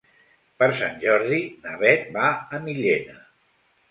Per Sant Jordi na Beth va a Millena.